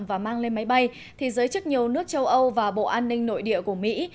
và mang lên máy bay thì giới chức nhiều nước châu âu và bộ an ninh nội địa của mỹ